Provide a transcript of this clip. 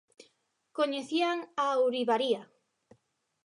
Coñecían a ourivaría.